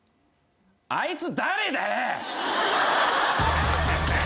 あいつ誰だよ！